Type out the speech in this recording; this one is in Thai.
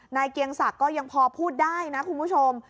เกียงศักดิ์ก็ยังพอพูดได้นะคุณผู้ชม